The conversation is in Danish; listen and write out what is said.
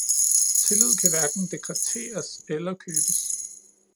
Tillid kan hverken dekreteres eller købes.